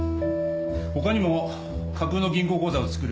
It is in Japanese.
他にも架空の銀行口座を作る「銀行屋」